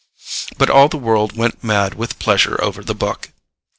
But all the world went mad with pleasure over the book.